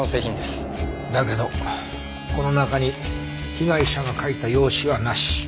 だけどこの中に被害者の書いた用紙はなし。